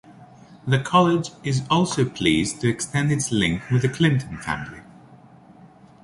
The college is also pleased to extend its link with the Clinton family.